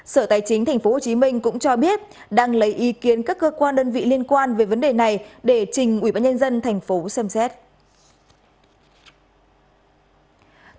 sở tài chính tp hcm cũng cho biết đang lấy ý kiến các cơ quan đơn vị liên quan về vấn đề này để trình ủy ban nhân dân tp hcm xem xét